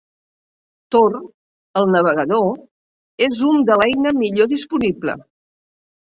Tor El navegador és un de l'eina millor disponible.